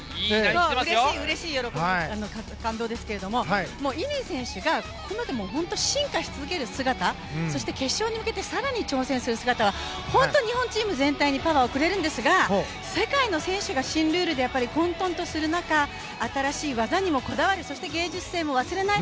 感動なんですが乾選手がここまで本当に進化し続ける姿そして決勝に向けて更に挑戦する姿は本当に日本チーム全体にパワーをくれるんですが世界の選手が新ルールで混とんとする中新しい技にもこだわるそして、芸術性も忘れない。